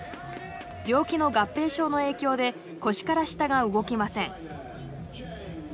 病気の合併症の影響で腰から下が動きません。